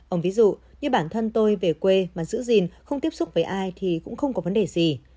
ông ví dụ như bản thân tôi về quê mà giữ gìn không tiếp xúc với ai thì cũng không có vấn đề gì